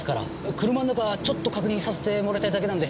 車の中ちょっと確認させてもらいたいだけなんで。